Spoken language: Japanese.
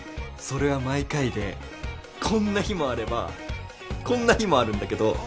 それは毎回でこんな日もあればこんな日もあるんだけど。